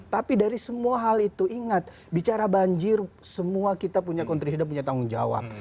tapi dari semua hal itu ingat bicara banjir semua kita punya kontrisi dan punya tanggung jawab